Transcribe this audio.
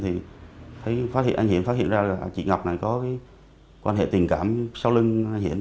thì anh hiển phát hiện ra là chị ngọc này có quan hệ tình cảm sau lưng anh hiển